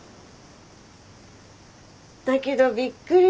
だけどびっくりした。